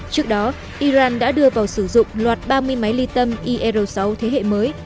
trước đó iran đã đưa vào sử dụng loạt ba mươi máy ly tâm ir sáu thế hệ mới